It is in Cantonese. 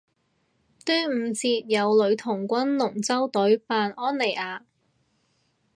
端午節有女童軍龍舟隊扮安妮亞